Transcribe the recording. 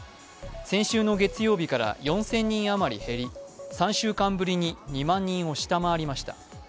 先週の月曜日から４０００人あまり減り３週間ぶりに２万人を下回りました。